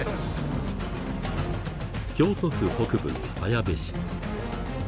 京都府北部の綾部市。